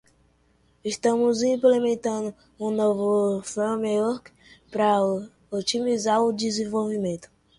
Estamos implementando um novo framework para otimizar o desenvolvimento.